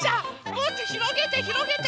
もっとひろげてひろげて。